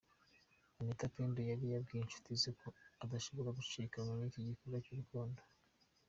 Anita Pendo yari yabwiye inshuti ze ko adashobora gucikanwa n'iki gikorwa cy'urukundo.